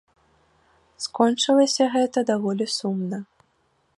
Скончылася гэта даволі сумна.